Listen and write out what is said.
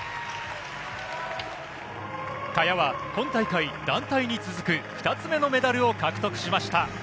萱は今大会、団体に続く２つ目のメダルを獲得しました。